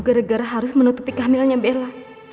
gara gara harus menutupi kehamilannya bella